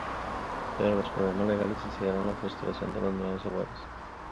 Pero los problemas legales hicieron la frustración de los nuevos Abuelos.